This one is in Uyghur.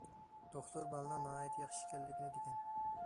دوختۇر بالىنىڭ ناھايىتى ياخشى ئىكەنلىكىنى دېگەن.